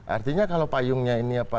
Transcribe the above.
artinya kalau payungnya ini apa